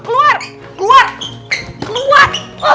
keluar keluar keluar